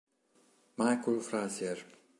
Michael Frazier